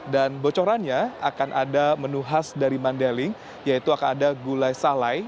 dan bocorannya akan ada menu khas dari mandiling yaitu akan ada gulai salai